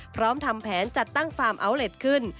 พร้อมทำแผนจัดตั้งฟาร์มอัลเล็ตขึ้น